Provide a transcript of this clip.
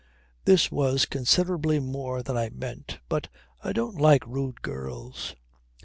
This was considerably more than I meant, but I don't like rude girls.